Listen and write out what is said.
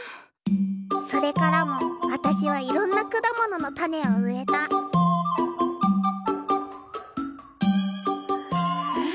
それからも私はいろんな果物の種を植えたえっ？